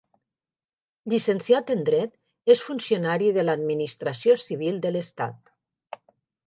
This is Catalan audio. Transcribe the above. Llicenciat en dret, és funcionari de l'administració civil de l'Estat.